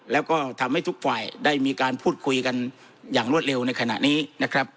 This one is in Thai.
แล้วก็ทำให้ทุกฝ่ายได้มีการพูดคุยกันอย่างรวดเร็วในขณะนี้นะครับ